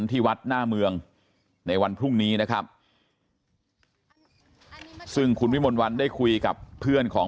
ที่วัดหน้าเมืองในวันพรุ่งนี้นะครับซึ่งคุณวิมลวันได้คุยกับเพื่อนของ